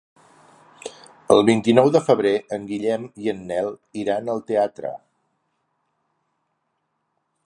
El vint-i-nou de febrer en Guillem i en Nel iran al teatre.